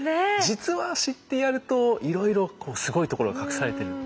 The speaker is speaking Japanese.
実は知ってやるといろいろすごいところが隠されてる。